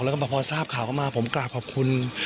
และก็พอทราบข่าวมาผมกราบขอบคุณ